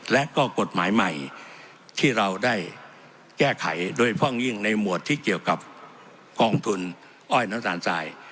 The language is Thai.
และก็กฎหมายใหม่ที่เราได้แก้ไขโดยเฉพาะยิ่งในหมวดที่เกี่ยวกับกองทุนอ้อยน้ำตาลทราย